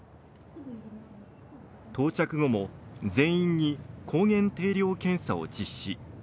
到着後も全員に抗原定量検査を実施。